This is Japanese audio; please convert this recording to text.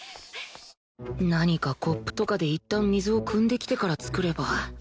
何かコップとかでいったん水をくんできてから作れば